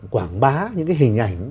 quảng bá những cái hình ảnh